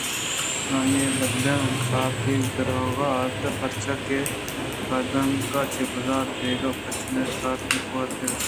آئی ءِ بد ن سارتی ءَ درٛہگ ءَ اَت پرچاکہ پدیانکاں چہ برز ءِ جاگہ پچ اَت ءُسارتیں گوٛات کشگ ءَ اَت